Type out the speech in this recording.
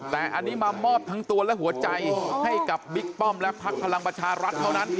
แต่อันนี้มามอบทั้งตัวและหัวใจให้กับบิ๊กป้อมและพักพลังประชารัฐเท่านั้น